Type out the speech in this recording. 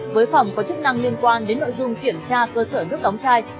với phòng có chức năng liên quan đến nội dung kiểm tra cơ sở nước đóng chai